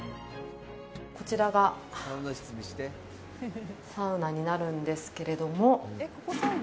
こちらがサウナになるんですが。